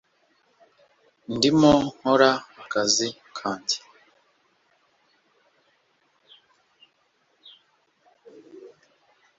ndimo nkora akazi kanjye